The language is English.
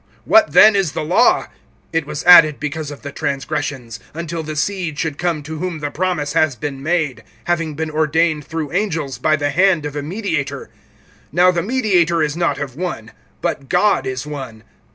(19)What then is the law? It was added because of the transgressions, until the seed should come to whom the promise has been made; having been ordained through angels, by the hand of a mediator. (20)Now the mediator is not of one; but God is one.